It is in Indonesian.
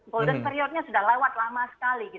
golden period nya sudah lewat lama sekali